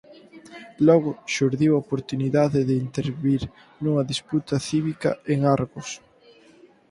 Logo xurdiu a oportunidade de intervir nunha disputa cívica en Argos.